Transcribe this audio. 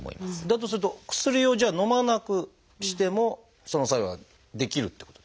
だとすると薬をじゃあのまなくしてもその作用はできるっていうことですか？